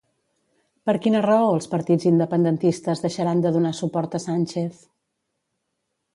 Per quina raó els partits independentistes deixaran de donar suport a Sánchez?